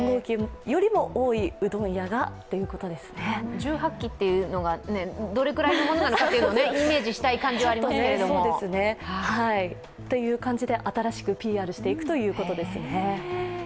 １８基というのがどれくらいのものなのかというのをイメージしたい感じはありますけれども。という感じで新しくＰＲしていくということですね。